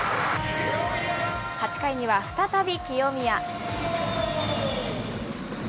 ８回には再び清宮。